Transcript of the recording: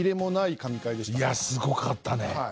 いやすごかったね。